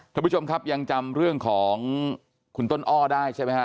ท่านผู้ชมครับยังจำเรื่องของคุณต้นอ้อได้ใช่ไหมฮะ